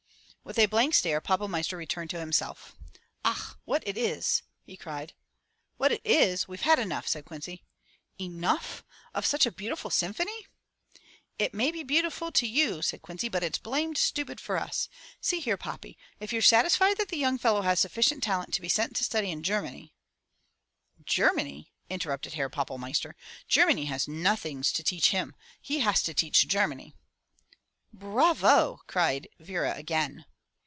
With a blank stare Pappelmeister returned to himself. "Ach! What it is?" he cried. "What it is! — we've had enough!" said Quincy. "Enough? Of such a beaudiful symphony?" " It may be beautiful to you," said Quincy. "But it's blamed stupid for us! See here, Poppy, if you're satisfied that the young fellow has sufficient talent to be sent to study in Germany —" "Germany!" interrupted Herr Pappelmeister. "Germany has nodings to teach him. He has to teach Germany." "Bravo!" cried Vera again.